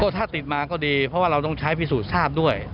ถ้าติดมาก็ดีเพราะว่าเราต้องใช้พิสูจน์ทราบด้วย